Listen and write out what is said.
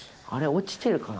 落ちてるかな？